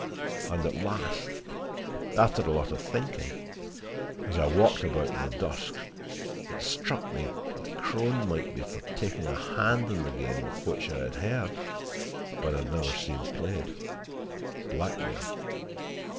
And at last, after a lot of thinking, as I walked about in the dusk, it struck me that Crone might be for taking a hand in the game of which I had heard, but had never seen played blackmail.